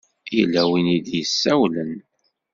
Yella win i d-yessawlen.